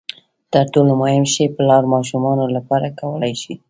تر ټولو مهم شی پلار ماشومانو لپاره کولای شي.